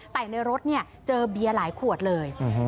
ไปในรถเนี้ยเจอเบียร์หลายขวดเลยอือฮือ